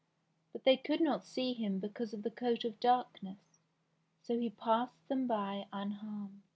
But they could not see him because of the coat of darkness, so he passed them by unharmed.